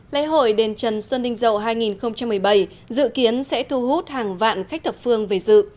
lễ hội đền trần xuân ninh dậu hai nghìn một mươi bảy dự kiến sẽ thu hút hàng vạn khách thập phương về dự